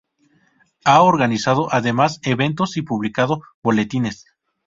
Ha organizado además eventos y publicado boletines.